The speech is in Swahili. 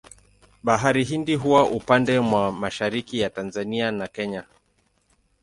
Bahari Hindi huwa upande mwa mashariki ya Tanzania na Kenya.